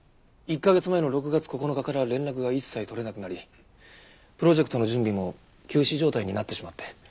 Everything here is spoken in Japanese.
１カ月前の６月９日から連絡が一切取れなくなりプロジェクトの準備も休止状態になってしまって。